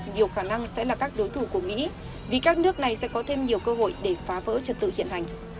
nhiều khả năng sẽ là các đối thủ của mỹ vì các nước này sẽ có thêm nhiều cơ hội để phá vỡ trật tự hiện hành